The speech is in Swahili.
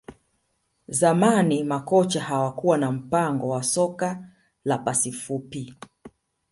Zamani makocha hawakuwa na mpango wa soka la pasi fupi